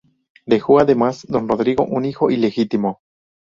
Dejó además, don Rodrigo, un hijo ilegítimo.